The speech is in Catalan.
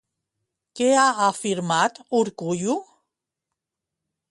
Què ha afirmat Urkullu?